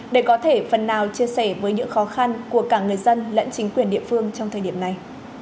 để có thể phần nào chia sẻ với những khó khăn của cả người dân lẫn chính quyền địa phương trong thời điểm này